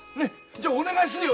じゃお願いするよ。